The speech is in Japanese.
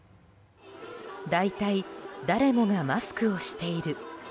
大体、誰もがマスクをしている。